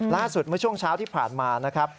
เมื่อช่วงเช้าที่ผ่านมานะครับ